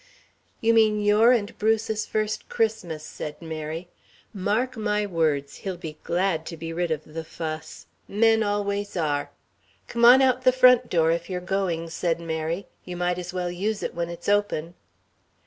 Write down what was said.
"You mean your and Bruce's first Christmas," said Mary. "Mark my words, he'll be glad to be rid of the fuss. Men always are. Come on out the front door if you're going," said Mary. "You might as well use it when it's open."